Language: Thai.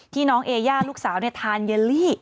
ที่น้องเอย่าลูกสาวเนี่ยทานยะลิ